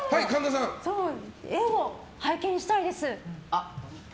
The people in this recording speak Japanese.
絵を拝見したいです。